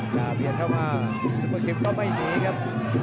ซุเปอร์กิมก็ไม่หนีครับ